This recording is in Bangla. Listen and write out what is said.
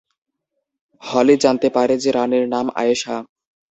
হলি জানতে পারে যে রাণীর নাম "আয়েশা"।